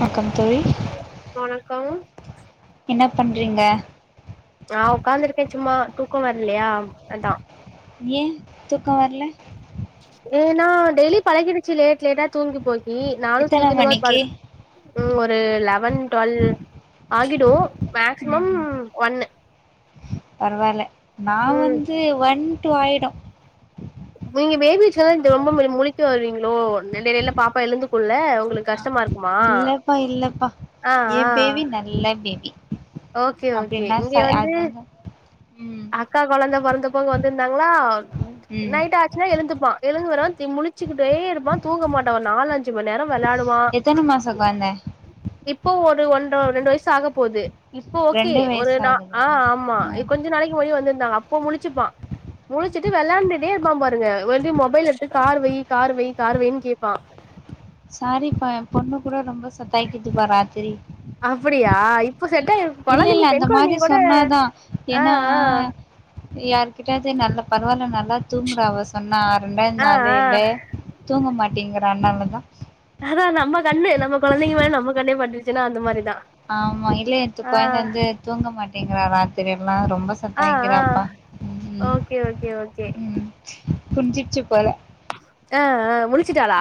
வக்கம் தோழி வணக்கம் என்னப் பண்றீங்க ஆ ஒக்காந்துருக்கே சும்மா தூக்கோ வர்லியா அதா ஏ தூக்கோ வர்ல ஏனா டெய்லி பழகிடுச்சி லேட் லேட்டா தூங்கி போகீ நானு எத்தன சீக்கிரமா மணிக்கு படு ம் ஒரு லெவன் டுவல் ஆகிடு மேக்சிமம் ஒன்னு பரவால நா ம் வந்து ஒன் டு ஆயிடு நீங்க பேபிச்செல ரொம்பமே முழிக்க வருவீங்ளோ நெடயில எடயில பாப்பா எழுந்துகுள்ள ஒங்குளுக் கஷ்டமாருக் இல்லப்பா இல்லப்பா ஏ ஆ பேபி நல்ல பேபி ஓகே ஓகே அப்டில்னா இங்க ச வந்து அது அந்த அக்கா கொழந்த பொறந்தபோ இங்க வந்துந்தாங்ளா ம் நைட்டாச்சுனா எழுந்துப்பா எழுந்து வருவாந்தி முழிச் ச்சிகிட்டே இருப்பா தூங்க மாட்டா ஒரு நாலஞ்சு மண் நேரோ வெளாடுவா எத்தன மாசோ கொழ்ந்த இப்ப ஒரு ஒன்ற ரெண்டு வயசாகபோது இப்ப ஓகே ரெண்டு ஒரு வயசு நா ஆகுதா அ ஆமா ஆ இப் கொஞ்ச நாளைகி முன்னாடி வந்துந்தாங்க அப்போ முழிச்சுப்பா முழிச்சிட்டு வெளாண்டுட்டே இப்பா பாருங்க வர்டி மொபைல் எடுத்து கார் வை கார் வை கார் வைன் கேப்பா சாரிப்பா எம்பொண்ணுகூட ரொம்ப சத்தாயிகித்துப்பா ராத்திரி அப்புடியா இப்ப செட்டாயிரு இல்ல இல்ல அந்த மாரி சொன்னாதா ஆ எனா யாருக்கிட்டியாது நல்லப் பரவால்ல நல்லாத் தூங்கறா அவச் சொன்னா ரெண்டாத் ஆ ஆ நாளே ஆ இல்ல தூங்க மாட்டேங்கிறா அன்னாலதா அதா நம்ம கண்ணு நம்ம கொழந்தைங்க மேல நம்ம கண்ணே பட்ருச்சினா அந்த மாரிதா ஆமா இல்ல நேத்து கொழந்த வந்து தூங்க மாட்டேங்கிறா ராத்திரியெல்லா ரொம்பச் ஆ ஆ சத்தாய்க்கிறாப்பா ம் ம் ஓகே ஓகே ஓகே. ம் புரிஞ்சிர்ச்சு போல அ அ முழிச்சிட்டாளா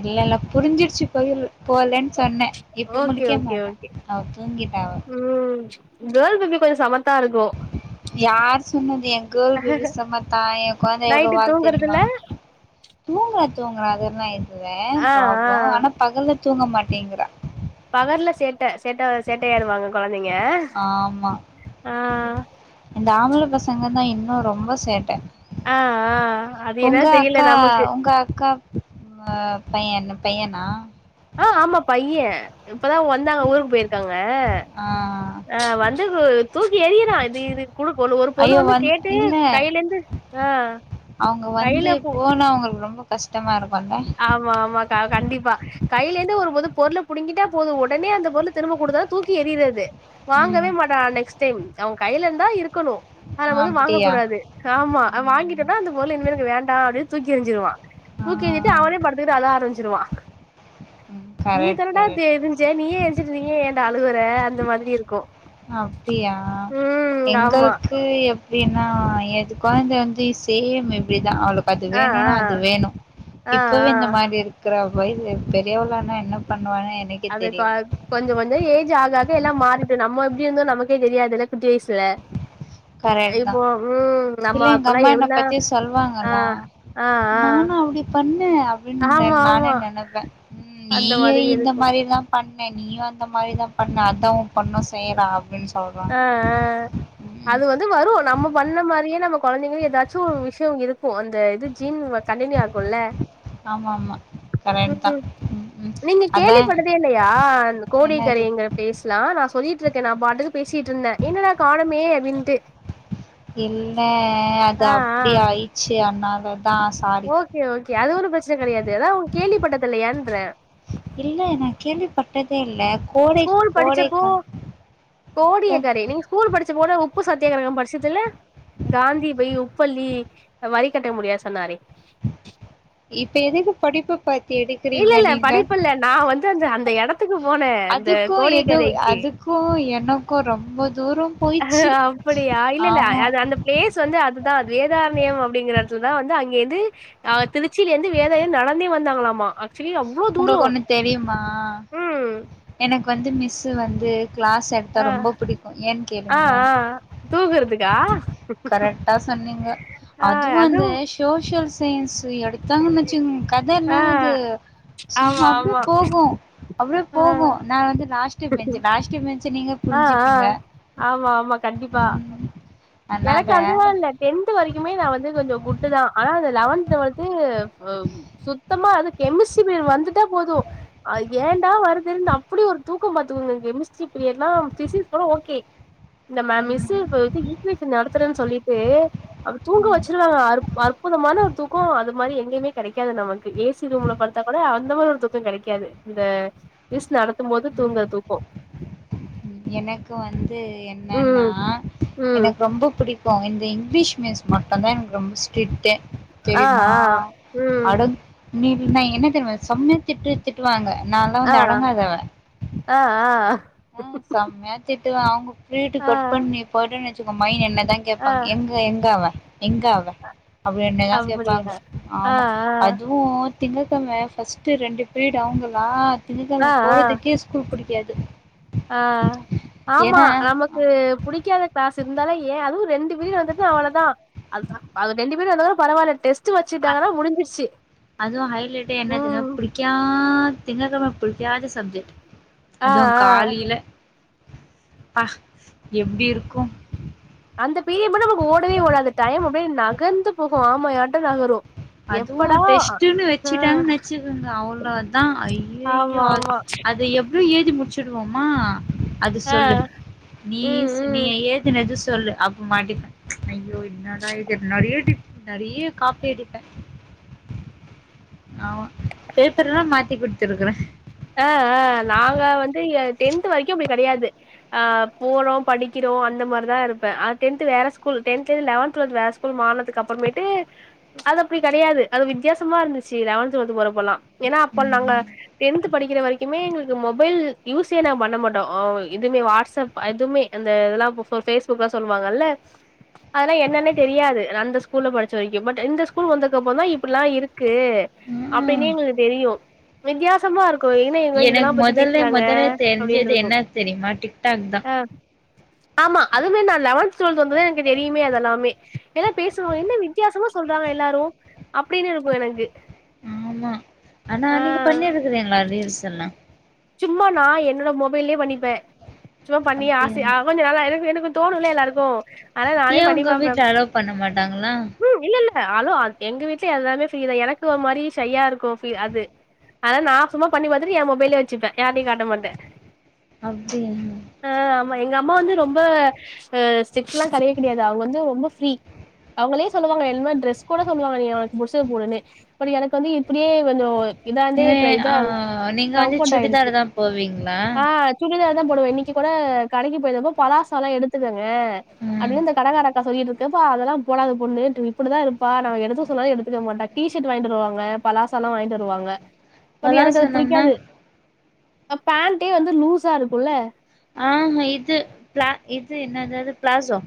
இல்லல்ல புரிஞ்சிருச்சு பொயில் போலன் சொன்ன இப்ப ஓகே முழிக்க ஓகே மாட்டா ஓகே. அவ தூங்கிட்டா அவ ம் கேர்ள் பேபி கொஞ்ச சமத்தா இருக்கு யார் சொன்னது எ கேர்ள் பேபி சமத்தா எ கொழந்த எவ்ளோ நைட்டு வால் தூங்குறதுல தெரிமா தூங்குறா தூங்குறா அதெல்லா இதுவே ஆ ஆ ப்ராப்ளம் ஆனா பகல்ல தூங்க மாட்டேங்றா பகல்ல சேட்ட சேட்ட சேட்டையாயிருவாங்க கொழந்தைங்க ஆமா அ இந்த ஆம்பள பசங்கதா இன்னு ரொம்ப சேட்ட ஆ அது ஒங்க என்னன் தெரியல அக்கா நமக்கு ஒங்க அக்கா ம் பையன்ன பையனா அ ஆமா பைய இப்பதா வந்தாங்க ஊருக் போயிருக்காங்க ஆ அ வந்து தூக்கி எறியிறா இது இது குடுக் ஒரு பொருளு ஐயோ வந்து வந் கேட்டு கைலேந்து அ அவுங்க வந்து போனா ஒங்குளுக்கு ரொம்ப கஷ்டமா இருக்குல்ல ஆமா ஆமாகா கண்டிப்பா கைலேந்து ஒருபோது பொருள புடுங்கிட்டா போது ஒடனே அந்த பொருள திரும்ப கொடுத்தாதா தூக்கி எறிறது வாங்கவே ம் மாட்டா நெக்ஸ்டைம் அவ கைலருந்தா இருக்கணு அதவந்து வாங்க அப்டியா கூடாது ஆமா ம் வாங்கிட்டம்னா அந்த பொருளு இனிமேலுக்கு வேண்டா அப்டின் தூக்கி எறிஞ்சிருவா ஆ தூக்கி எறிஞ்சிட் திடினு அழ ஆரம்பச்சிருவா ம் நீ கரெக்ட் தானடா கரெக்ட் வேணு நீயே எறிச்சிட்டு நீயே ஏண்டா அழுவற அந்த மாதிரி இருக்கு அப்டியா ம் ஆமா எங்கள்க்கு எப் டினா எது கொழந்தை வந்து சேம் பேபிதா அவ்ளுக் அது ஆ ஆ வேணுனா அது வேணு ஆ இப்பவே ஆ இந்த மாரி இருக் க்கறா பய்சு பெரியவளானா என்ன பண்ணுவானே எனக் அதுக்வாக் கொஞ்ச கொஞ்ச ஏஜ் ஆக ஆக எல்லா மாறிடு நம்ம எப்டிருந்தோ நமக்கே தெரியாதுல குட்டி வயுசுல இப்போ ம் நம்ம இப்பில்லா அப்பல்லா எங்கம்மா என்ன எவ்ள பத்தி ஆ சொல்வாங்களா ஆ ஆ நானா அப்டி பண்ண அப்டின் ஆமா நானே ஆமா நெனப்ப ம் அந்த நீயு மாதிரி இந்த இருக்கு மாரிதா பண்ண நீயு அந்த மாரிதா பண்ண அதா ஒம்பொண்ணு செய்றா அப்டின் அ அ அது வந்து வரு நம்ம பண்ண மாரியே நம்ம கொழந்தைங்களு எதாச்சு ஒரு விஷ்யோ இருக்கு அந்த இது ஜீன் வந் கண்டினியு ஆகுல்ல ஆமாமா ம் நீங்க கேள்விபட்டதே இல்லையா அந்த என்னது கோடியக்கரைங்கற பேஸ்லா நா சொல்லிட்டு இருக்கே நா பாட்டுக்கு பேசிட்டு இருந்த என்னடா காணமே அப்டின்ட்டு இல்ல அது ஆ ஆ அப்டி ஆயிச்சு அனால ஓகே ஓகே அது ஒன்னு பிரச்சன கிடையாது எதா உங்க கேள்விப்பட்டதில்லையான்ற இல்ல நா கேள்வி பட்டதே இல்ல கோடை ஸ்கூல் படிச்சப்போ கோடைக்கா கோடியக்கரை நீங்க ஸ்கூல் படிச்ச போது உப்பு சத்தியாகிரகம் படிச்சதில்ல காந்தி பய் உப்பள்ளி வரி கட்ட முடியாது சொன்னாரே இப்ப எதுக்கு படிப்பு ப இல்ல இல்ல படிப்பு இல்ல நா வந்து அந்த அந்த எடத்துக்கு போன இந்த கோடியக்கரைக்கு க்கு எனக்கு ரொம்ப தூரம் அஹ அப்படியா இல்லல்ல அது அந்த பிளேஸ் வந்து அதுதான் அது வேதாரனயம் அப்படிங்கறதுல தான் வந்து அங்கே இந்து ஆ தினுச்சியில இருந்து வேதய நடந்தே வந்தாங்களாமா ஆக்சுவலி அவ்வளோ உங்களுக்கு தூரம் ஒண்ணு தெரியுமா உம் எனக்கு வந்து மிஸ்ஸு வந்து கிளாஸ் எடுத்தா ஆ ரொம்ப பிடிக்கும் ஏன் ஆ கேளுங்களே ஆ தூங்குறதுக்கா கரெக்ட்டா சொன்னீங்க ஆ அதுவும் வந்த அதுவு சோஷியல் சயின்ஸ் எடுத்தாங்கன் வச்சுங் கதை ஆ இல்லது ஆமா சம் அப்படியே ஆமா போகும் அப்படியே ஆ போகும் நா வந்து last first bench last bench நீங்க ஆ ஆ புரிஞ்சுப்பீங்க ஆமா ஆமா கண்டிப்பா ம் அதனால எனக்கு அதுதான் இல்ல டென்த் வரைக்குமே நா வந்து கொஞ்சம் குண்டு தா ஆனா அந்த லெவன்ந்து வந்து சுத்தமா அது கெமிஸ்ட்ரி பிரியடு வந்துட்டா போதும் அ ஏடா வருதுன்னு அப்படி ஒரு தூக்கம் பாத்துக்கோங்க கெமிஸ்ட்ரி பீரியட் எல்லாம் பிசிக்ஸ் கூட ஓகே ந மா மிஸ் ம் இப்போதிக் நடத்துறேன் சொல்லிட்டு அப்டி தூங்க ம் ம். வச்சிருவாங்க அற்புதமான ஒரு தூக்கொ மக்ஷ அது மாரி எங்கயுமே கிடைக்காது நமக்கு ஏசி ரூம்ல படுத்தா கூட அந்த மாரி ஒரு தூக்கம் கிடைக்காது இந்த மிஸ் நடத்தும் போது தூங்கர தூக்கம் எனக்கு வந்து என்னன்னா ம் ம் எனக்கு ரொம்ப பிடிக்கும் இந்த இங்கிலீஷ் மிஸ் மட்டும்தான் எங்ளுக் ரொம்ப ஸ்ட்ரிக்டு ஆ தெரியுமா ஆ ம் அட மீறி நா என்ன தெரியும செம்மையா திட்டு திட்டுவாங்க நான்லா ஆ வந்து அடங்காதவ [inaudible] ஆ ஆ செம்மயா திட்டுவ அவுங் பீரிட் ஆ கட் ஆ பண்ணி போய்ட்ட வச்சுக்கோ மை என்ன தா ஆ கேட்பாங்க எங்க எங்க அவ எங்க அவ அப்டின்ட்டு தா கேட்பாங்க அப்டியா ஆ ஆமா அதுவும் திங்கக்கிழம ஃபர்ஸ்ட் ரெண்டு பீரிட் அவங்களா ஆ ஆ திங்கக்கிழம ஆ போறதுக்கே ஸ்கூல் பிடிக்காது ஆ ஆமா நமக் ஆ, கு புடிக்காத கிளாஸ் இருந்தாலே ஏன் அதுவும் ரெண்டு பீரிட் வந்துட்டுனா அவ்ளோதா அதுதா அது ரெண்டு பீரிட் வந்தாலா பரவால்ல டெஸ் ட்டு வச்சுட்டாங்கன்னா முடிஞ்சிருச்சு உம் க்யா திங்கக்கிழம பிடிக்காத சப்ஜெக்ட் ஆ அதுவும் ஆ காலையில ப்பா எப்டி இருக்கும் அந்த பீரிட் மட்டும் நமக்கு ஓடவே ஓடாது டைம் அப்டியே நகர்ந்து போகும் ஆமா [unintelligible] லா வரும் அதுவும் டெஸ்ட்டுன்னு வச்சுட்டாங்கு வச்சுக்கங்க அவ்ளவுதா ஆமா ஐயோ ஆமா அது எ [inaudible] எழுதி முடிச்சுடுவோமா அது ஆ சொல்லு நீ ம் செ ம் நீயே எழுது சொல்லு அப்போ மாட்டிப்ப ஐயோ என்னட இது நிறைய வாட்டி நிறைய காப்பி அடி [inaudible] ஆமா பேப்பர் எல்லாம் மாத்தி குடுத்துருக்குறேன் அ அ நாங்க வந்து டென்த் வரைக்கும் அப்டி கிடையாது ஆ போரோ படிக்கிறோ அந்த மாரிதா இருப்ப அ டென்த் வேற ஸ்கூல் டென்த் லெவன்த்லருந்து வேற ஸு கூல் மாறனதுக்கு அப்புறமேட்டு அது அப்டி கிடையாது அது வித்தியாசமா இருந்துச்சு லெவன்த் டுவெல்த் போறப்பலா ஏன்னா அப்போ நாங்க ம் டென்த் படிக்கிற வரைக்குமே எங்களுக்கு மொபைல் யூஸே நா பண்ண மாட்டோம் ஆ எதுமே வாட்ஸ்அப் அ எதுவுமே அந்த இதெல்லாம் ஃபோ ஃபேஸ்புக்லாம் சொல்லுவாங்கல்ல அதெல்லாம் என்னன்னே தெரியாது அந்த ஸ்கூல்ல படிச்ச வரைக்கும் பட் இந்த ஸ்கூல் வந்ததுக்கு அப்புறம் தா இப்டி எல்லாம் இருக்கு அப்படின்னே ம். எங்களுக்கு தெரியும் வித்தியாசமா இரு க்கு ஏன்ன எங்க எனக்கு இதெல்லாம் பத்தி மொதல்ல பேசுறாங்க மொதல்ல அப்டினு தெரிஞ்சது இருக்கும் என்ன தெரியுமா டிக்டாக் தா ஆ ஆமா அதுமே நா லெவன்த் டுவெல்த் வந்து தா எனக்கு தெரியுமே அதெல்லாமே எல்லா பேசுவாங்க என்ன நீ வித்தியாசமா சொல்றாங்க எல்லாரு அப்டின்னு இருக்கு எனக்கு ஆமா ஆனா ஆ நீங்க பண்ணி இருக்குறீங்களா ரீல்ஸ் எல்லா சும்மா நா என்னோட மொபைல்லயே பண்ணிப்பே சும்மா பண்ணி அப்டியா ஆசயா கொஞ்ச நாளா எனக்கு எனக்கு தோணுல எல்லார்ருக்கு ஏ உங்க வீட்ல அலோ பண்ண மாட்டாங்ளா இல்லல்ல ஆளோ அ எங்க வீட்ல எல்லாமே ஃப்ரீதா எனக்கு ஒரு மாரி சய்யா இருக்கு ப் அது அத நா சும்மா பண்ணி பாத்துட்டு எ மொபைலே வெச்சுப்பே யார்ட்டியு காட்ட மாட்டே அப்டியா அ ஆமா எங்க அம்மா வந்து ரொம்ப ஸ்ட்ரிக்ட்ல்லா கெடையவே கெடையாது அவுங்க வந்து ரொம்ப ஃப்ரீ அவுங்களே சொல்லுவாங்க [unintelligible] டிரெஸ் கூட சொல்லுவாங்க நீ உனக்கு புடிச்சது போடுன்னு பட் எனக்கு வந்து இப்படியே கொஞ்சோ இதாந்தே இது இப்ற ஆ இதா நீங்க வந்து சுடிதார் தா போவீங்ளா அ சுடிதார் தா போடுவே இன்னைக்கு கூட கடைக்கு போய் இருந்தப்ப பலாசல எடுத்துக்கங்க ம் அப்டினு இந்த கடகார க்கா சொல்லிட்டு இருக்கப்ப அதெல்லா போடாது பொண்ணு இப்டிதா இருப்பா நா எடுக்க சொன்னாலு எடுத்துக்க மாட்டா டீஷர்ட் வாய்ண்டுவருவாங்க பலாசாலா வாய்ண்டு வருவாங்க பட் எனக்கு அது பலாசனம்னா புடிக்காது பேண்டே வந்து லூஸா இருக்குல்ல ஆ ஆ இது ப இது என்னதது ப்ளாசோ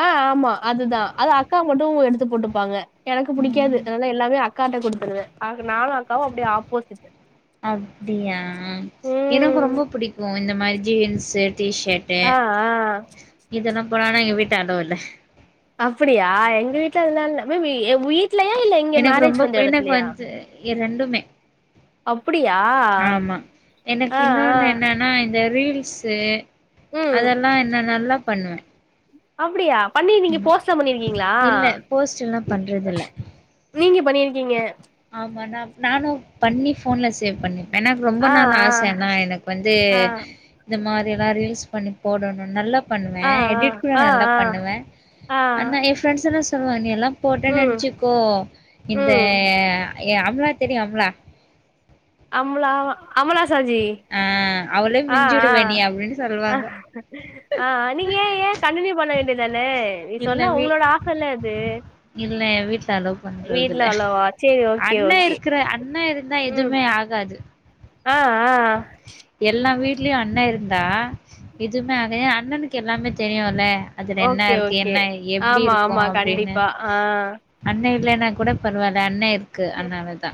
ஆ ஆமா அதுதா அது அக்கா மட்டு எடுத்து போட்டுப்பாங்க எனக்கு புடிக்காது ம் அதனால எல்லாமே அக்காட்ட குடுத்துருவே ஆக நானு அக்காவு அப்டியே ஆப்போசிட்டு அப்டியா எனக்கு ம் ரொம்ப புடிக்கு இந்த மாரி ஜீன்ஸு டிஷர்ட் டு ஆ ஆ இதுன போறன எங்க வீட்டாண்டவுட்ல்ல அப்படியா எங்க வீட்ல அதலா இல்ல மே பி எ உயி எனக்கு ரொம்ப எனக்கு வந்து ரெண்டுமே அப்டியா ஆமா ஆ எனக்கு ஆ இன்னொன்னு என்னன்னா இந்த ரீல்ஸ் ஸு ம் அதெல்லா என்ன நல்லா பண்ணுவே அப்படியா பண்ணி நீங்க ஆமா போஸ்ட்லா பண்ணிருக்கீங்ளா இல்ல போஸ்ட் எல்லா பண்றது இல்ல நீங்க பண்ணிருக்கீங்க ஆமா நா நானு பண்ணி ஃபோன்ல சேவ் பண்ணே எனக்கு ரொம்ப ஆ நாள் ஆச என்ன எனக்கு வந்து ஆ இந்த மாரி எல்லா ரீல்ஸ் பண்ணி போடணுன் நல்லா பண்ணுவே ஆ ஆ எடிட் கூட ஆ ஆ நல்லா பண்ணுவே ஆ ஆ ஆனா இப் ப்ரெண்ட்ஸ் எல்லா சொல்லுவாங்க நீ எல்லா போட்டே ம் நெனைச்சிக்கோ இந்த ம் எ அம்லா தெரியு அம்லா ஆம்லா ஆமா அமலா சாஜி ஆ அவளே அ அ மிஞ்சிடுவ நீ அப்டின்னு அ சொல்லுவாங்க அ நீங்க ஏ ஏ கண்டினியூ பண்ண வேண்டிய தானே நீ சொன்னா இல்லவே உங்களோட ஆசல்ல எது இல்ல எ வீட்ல அலோவ் பண்றது இல்ல அவ்ளவா சேரி ஓகே அண்ண ஓகே இருக்கற அண்ண இரு ந்தா எதுமே ஆகாது ஆ அ எல்லா வீட்லயு அண்ண இருந்தா எதுமே ஆக அண்ணனுக்கு எல்லாமே தெரியுல்ல அதுல என்ன ஓகே இருக்கு ஓகே என்ன எப்டி ஆமா இருக்கு ஆமா அப்டீனு கண்டிப்பா ஆ அண்ண இல்லைன்னா கூட பரவால்ல அண்ண இருக்கு அனாலதா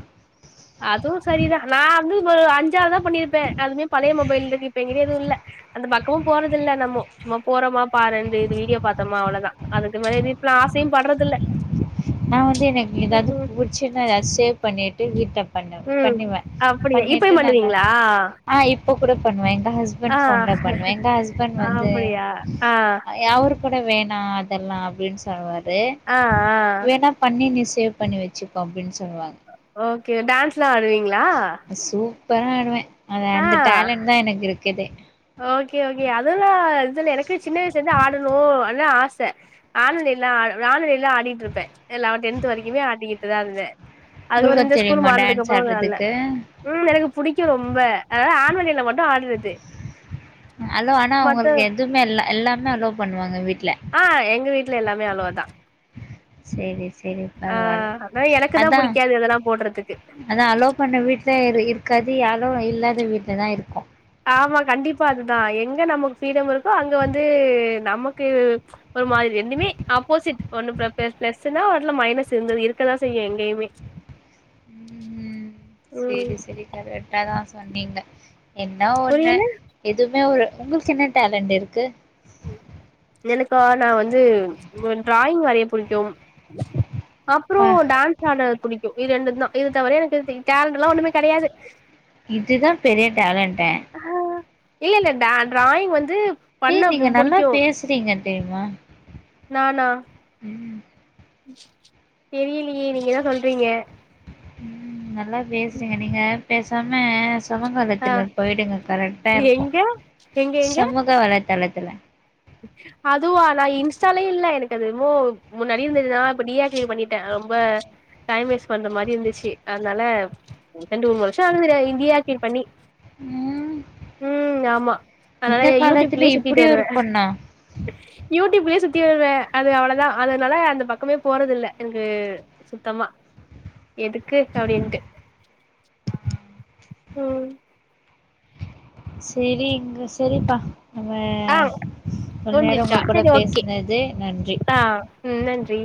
அது சரிதா நா வந்து இப்ப ஒரு அஞ்சாவதுதா பண்ணிருப்பே அதுமே பழைய மொபைல்லருக்கு இப்ப எங்கிட்ட எதுவு இல்ல அந்த பக்கமா போறதில்ல நம்மொ சும்மா போறோமா பாருந்து வீடியோ பாத்தோமா அவ்ளோதா அதுக்கு மேல இப்பலா ஆசையு படுறது இல்ல நா வந்து எனக்கு ஏதாது புடிச்சு சின்னதா ஏதாது சேவ் பண்ணிட்டு வீட்ட பண்ண ம் பண்ணுவே அப்டியா இப்பயு பண்ணிட்டு நாங்க பண்ணுவீங்களா ஆ இப்ப கூட பண்ணுவே எங்க ஹஸ் ஆ பண்ட் போன்ல பண்ணுவே எங்க ஹஸ்பண்ட் வந்து அப்டியா ஆ ய அவரு கூட வேணா அதெல்லா அப்படின் சொல்வாரு ஆ ஆ வேணா பண்ணி நீ சேவ் பண்ணி வச்சுக்கோ அப்படின் சொல்லுவாங்க ஓகே டான்ஸ்ல்லா ஆடுவீங்களா சூப்பரா ஆடுவே அது ஆ அந்த டேலண்ட் தா எனக்குருக்குதே ஓகே ஓகே அதெல்லா இதுல எனக்குமே சின்ன வயசுலருந்தே ஆடணு அதுதா ஆச அனுவல்டேலா அனுவல்டேலா ஆடிட்டுருப்பே எல்லா டென்த் வரைக்குமே ஆடிக்கிட்டுதா இருந்தே அதுப்புறோ உங்களுக்கு இந்த ஸ்கூல் தெரியுமா மாறனதுக்கு டான்ஸ் அப்புறோ ஆட்ல ஆடுறதுக்கு ம் எனக்கு பிடிக்கு ரொம்ப அதாது ஆன்வல்டேல மட்டு ஆடுறது அலோ ஆனா மத்த உங்களுக்கு எதுமே இல்ல எல்லாமே அலோ பண்ணுவாங்க வீட்ல ஆ எங்க வீட்ல எல்லாமே அலோ தா செரி செரி பரவால்ல ஆனா எனக்கு தா அதா புடிக்காது இதெல்லா போடுறதுக்கு அதா அலோ பண்ண வீட்ல இரு இருக்காது அலோ இல்லாத வீட்லதா இருக்கு ஆமா கண்டிப்பா அதுதா எங்க நமக்கு ஃப்ரீடம் இருக்கோ அங்க வந்து நமக்கு ஒரு மாரி ரெண்டுமே ஆப்போசிட் ஒன்னு ப்ள ப்ள ப்ளஸ்னா ஒன்னுல மைனஸ் இருந்து இருக்கதா செய்யு எங்கயுமே [unintelligible] ம் ம் சேரி சேரி கரெக்டாதா சொன்னீங்க என்ன ஒன்னு புரியல எதுமே ஒரு உங்களுக் என்ன டேலண்ட் இருக்கு எனக்கா நா வந்து வ டிராயிங் வரைய புடிக்கும் அப்புறோ ப்பா டான்ஸ் ஆட பிடிக்கு இது ரெண்டுதா இது தவிர எனக்கு டேலண்ட்லா ஒன்னுமே கெடயாது இதுதா பெரிய டேலண்டே ஹா இல்லல்ல டா டிராயிங் வந்து டீ பண்ண பு நீங்க நல்லா புடிக்கு பேசுறீங்க தெரிமா நானா ம் தெரியலியே நீங்க தா சொல்றீங்க ம் நல்லா பேசுறீங்க நீங்க பேசாம சமூக ஆ வளத்தில போயிடுங்க கரெக்டா இருக்கு எங்க எங்க எங்க சமூக வலைதளத்துல அதுவா நா இன்ஸ்டாலயு இல்ல எனக்கு அது எமோ முன்னாடி இருந்ததுதா இப்ப டி ஆக்டிவேட் பண்ணிட்டே ரொம்ப டைம் வேஸ்ட் பண்ற மாரி இருந்துச்சு அத்னால ரெண்டு மூனு வர்ஸோ ஆகுது டீ ஆக்டிவேட் பண்ணி ம் ம் ஆமா அதனால இந்த காலத்துல யூடியூப்குளே சுத்திட்டு இப்டி ஒரு வருவே பொண்ணா யூடியூப்லே சுத்தி வருவே அது அவ்ளதா அதனால அந்த பக்கமே போறதில்ல என்க்கு சுத்தமா எதுக்கு அப்டின்ட்டு ம் சேரிங்க சேரிப்பா நம்ம ஆ இவ்ளோ நேரோ உங்க முடிஞ்சிச்சா கூட சரி ஓகே பேசுனது நன்றி ஆ ம் நன்றி